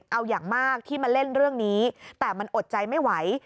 เอาอย่างมากที่มาเล่นเรื่องนี้แต่มันอดใจไม่ไหว